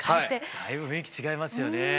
だいぶ雰囲気違いますよね。